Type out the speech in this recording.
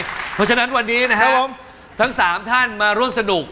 เพราะฉะนั้นวันนี้นะครับผมทั้ง๓ท่านมาร่วมสนุก